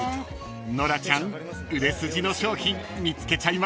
［ノラちゃん売れ筋の商品見つけちゃいましたね］